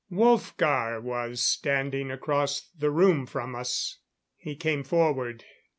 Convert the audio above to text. Wolfgar was standing across the room from us. He came forward.